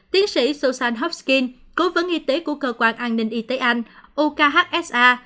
tiến sĩ susan hopkins cố vấn y tế của cơ quan an ninh y tế anh ukhsa